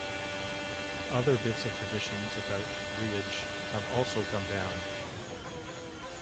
Other bits of traditions about Breage have also come down.